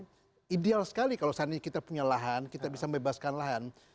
itu ideal sekali kalau saat ini kita punya lahan kita bisa membebaskan lahan